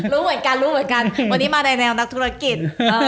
รู้เหมือนกันรู้เหมือนกันวันนี้มาในแนวนักธุรกิจ